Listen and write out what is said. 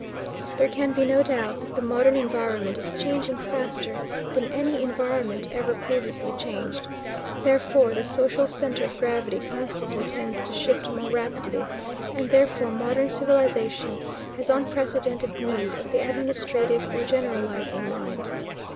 There can be no doubt that the modern environment is changing faster than any environment ever previously changed; therefore, the social centre of gravity constantly tends to shift more rapidly; and therefore, modern civilization has unprecedented need of the administrative or generalizing mind.